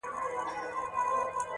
o چي حاجي حاجي لري، اخر به حاجي سې!